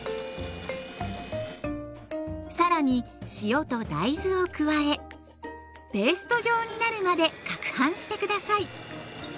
更に塩と大豆を加えペースト状になるまでかくはんして下さい。